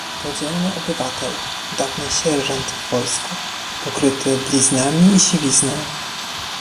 "To dzielny obywatel, dawny sierżant w wojsku, pokryty bliznami i siwizną."